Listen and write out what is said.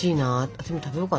私も食べようかな。